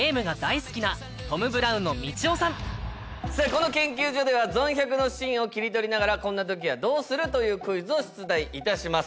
この研究所では「ゾン１００」のシーンを切り取りながら「こんな時はどうする？」というクイズを出題いたします。